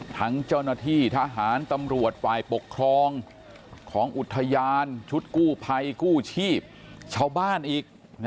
ทั้งเจ้าหน้าที่ทหารตำรวจฝ่ายปกครองของอุทยานชุดกู้ภัยกู้ชีพชาวบ้านอีก